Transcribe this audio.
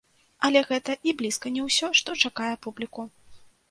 Але гэта і блізка не ўсё, што чакае публіку.